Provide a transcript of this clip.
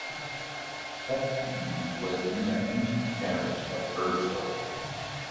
Cleckheaton was in the ancient parish of Birstall.